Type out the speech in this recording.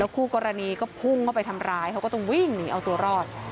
คู่กรณีก็พุ่งเข้าไปทำร้ายเขาก็ต้องวิ่งหนีเอาตัวรอด